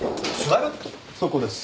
そこです。